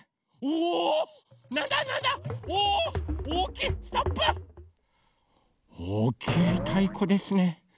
おおきいたいこですね。